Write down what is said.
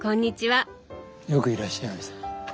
よくいらっしゃいました。